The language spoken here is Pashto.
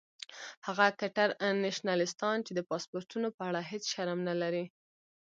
هغه کټر نیشنلستان چې د پاسپورټونو په اړه هیڅ شرم نه لري.